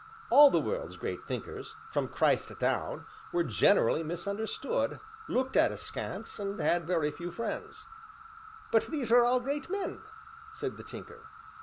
All the world's great thinkers, from Christ down, were generally misunderstood, looked at askance, and had very few friends." "But these were all great men," said the Tinker.